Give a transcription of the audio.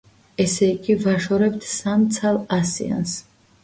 ესე იგი, ვაშორებთ სამ ცალ ასიანს.